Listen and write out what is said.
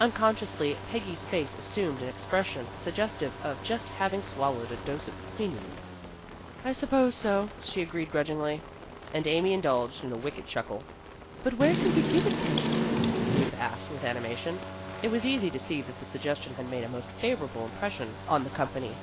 Unconsciously Peggy's face assumed an expression suggestive of just having swallowed a dose of quinine. "I suppose so," she agreed grudgingly, and Amy indulged in a wicked chuckle. "But where could we give it, Peggy?" Ruth asked with animation. It was easy to see that the suggestion had made a most favorable impression on the company.